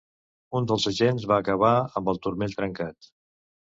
Un dels agents va acabar amb el turmell trencat.